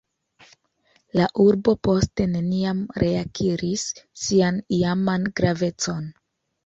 La urbo poste neniam reakiris sian iaman gravecon.